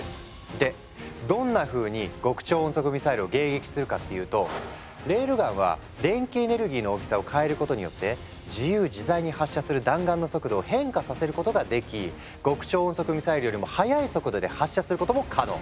でどんなふうに極超音速ミサイルを迎撃するかっていうとレールガンは電気エネルギーの大きさを変えることによって自由自在に発射する弾丸の速度を変化させることができ極超音速ミサイルよりも速い速度で発射することも可能。